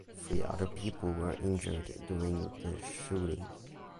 Three other people were injured during the shooting.